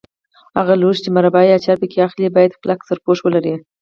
هغه لوښي چې مربا یا اچار پکې اخلئ باید کلک سرپوښ ولري.